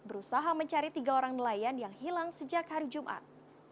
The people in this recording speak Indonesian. berusaha mencari tiga orang nelayan yang hilang sejak hari jumat